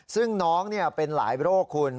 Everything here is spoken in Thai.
ซึ่งน้องเป็นหลายโรคคุณ